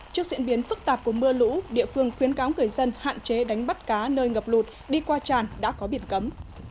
trước diễn biến phức tạp của mưa lũ địa phương khuyến cáo người dân hạn chế đánh bắt cá nơi ngập lụt đi qua tràn đã có biển cấm